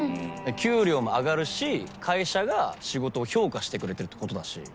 給料も上がるし会社が仕事を評価してくれてるってことだし。